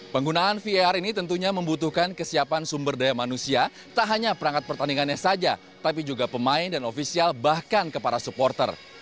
penggunaan vr ini tentunya membutuhkan kesiapan sumber daya manusia tak hanya perangkat pertandingannya saja tapi juga pemain dan ofisial bahkan ke para supporter